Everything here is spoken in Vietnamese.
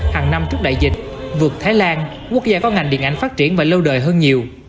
hàng năm trước đại dịch vượt thái lan quốc gia có ngành điện ảnh phát triển và lâu đời hơn nhiều